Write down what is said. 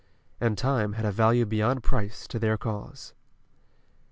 And time had a value beyond price to their cause.